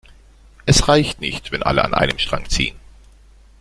Es reicht nicht, wenn alle an einem Strang ziehen.